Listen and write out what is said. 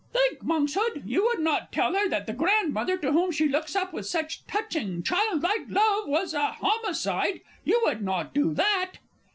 Think, Monkshood, you would not tell her that the Grandmother to whom she looks up with such touching, childlike love, was a homicide you would not do that?